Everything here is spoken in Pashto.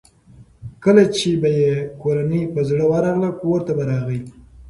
کله چې به یې کورنۍ په زړه ورغله کورته به راغی.